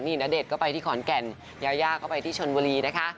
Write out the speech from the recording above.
นี่ณเดชน์ก็ไปที่ขอนแก่นยายาก็ไปที่ชนบุรีนะคะ